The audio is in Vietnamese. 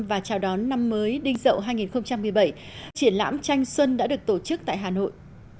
và chào đón năm mới đinh dậu hai nghìn một mươi bảy triển lãm tranh xuân đã được tổ chức tại hà nội